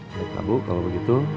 ya mabri kalau begitu